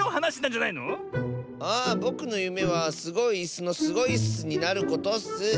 あぼくのゆめはスゴいいすの「スゴいっす」になることッス。